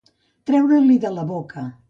Treure-l'hi de la boca.